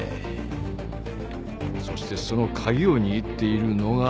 そしてその鍵を握っているのが。